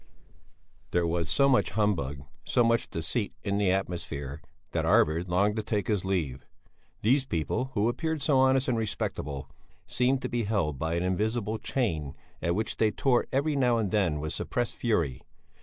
There was so much humbug, so much deceit in the atmosphere that Arvid longed to take his leave. These people, who appeared so honest and respectable, seemed to be held by an invisible chain at which they tore every now and then with suppressed fury.